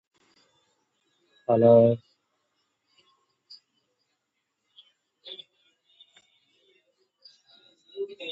இந்த நிலையில் ஆட்குறைப்பும் நடைபெற்று வருகிறது, இந்த நிலையில் அறுபத்தொன்பது விழுக்காடு ஒதுக்கீடு என்ன பயன் தரும்?